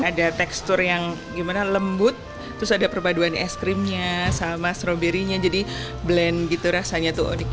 ada tekstur yang gimana lembut terus ada perpaduan es krimnya sama stroberinya jadi blend gitu rasanya tuh unik